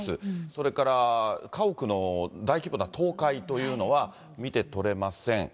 それから家屋の大規模な倒壊というのは見てとれません。